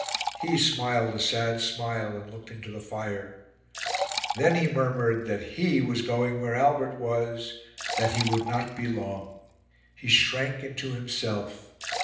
He smiled a sad smile and looked into the fire. Then he murmured that he was going where Albert was that he would not be long. He shrank into himself.